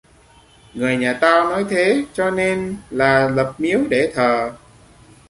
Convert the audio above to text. Người nhà tao nói thế cho nên là lập miếu để thờ